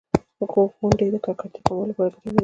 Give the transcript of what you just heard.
• غونډۍ د ککړتیا کمولو لپاره ګټورې دي.